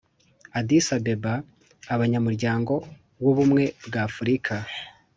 addis-abeba, abanyamuryango w'ubumwe bw'afurika